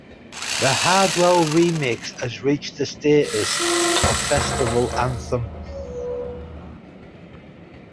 The Hardwell remix has reached the status of festival anthem.